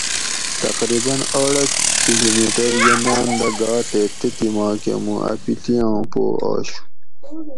تقریباً آڑہ کلومیٹر یہ ناۤن دہ گا تے تتھی ماکہ موں اۤ پیڷیاں پو آشو